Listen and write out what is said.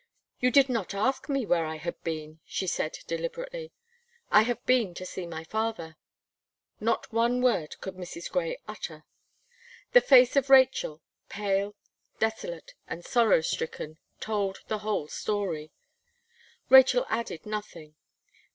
"You did not ask me where I had been," she said deliberately. "I have been to see my father." Not one word could Mrs. Gray utter. The face of Rachel, pale, desolate, and sorrow stricken, told the whole story. Rachel added nothing.